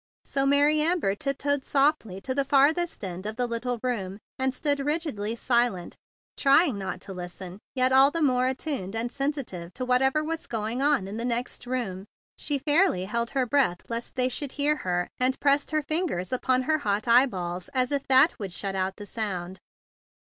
So Mary Amber tiptoed softly to the farthest end of the little room, and stood rigidly silent, trying not to listen, yet THE BIG BLUE SOLDIER 167 all the more attuned and sensitive to whatever was going on in the next room. She fairly held her breath lest they should hear her, and pressed her fingers upon her hot eyeballs as if that would shut out the sound.